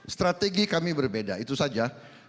strategi kami berbeda itu saja